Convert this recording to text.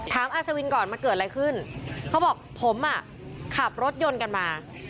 อาชวินก่อนมันเกิดอะไรขึ้นเขาบอกผมอ่ะขับรถยนต์กันมา